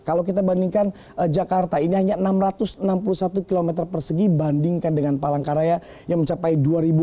kalau kita bandingkan jakarta ini hanya enam ratus enam puluh satu km persegi bandingkan dengan palangkaraya yang mencapai dua lima ratus